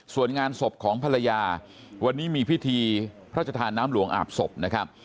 ส่วนงานศพของภรรยาวันนี้มีพิธีพระชธานน้ำหลวงอาบศพนะครับ